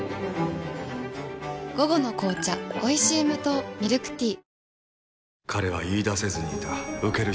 午後の紅茶おいしい無糖ミルクティー